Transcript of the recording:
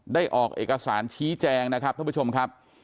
ได้ออกเอกสารชี้แจงนะครับท่านผู้ชมครับ